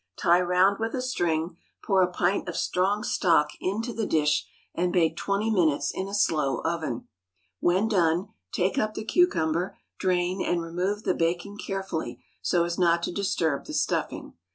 Tie round with a string, pour a pint of strong stock into the dish, and bake twenty minutes in a slow oven. When done, take up the cucumber, drain, and remove the bacon carefully so as not to disturb the stuffing.